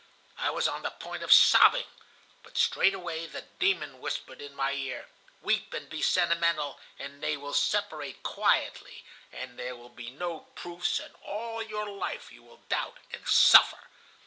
"I was on the point of sobbing, but straightway the demon whispered in my ear: 'Weep and be sentimental, and they will separate quietly, and there will be no proofs, and all your life you will doubt and suffer.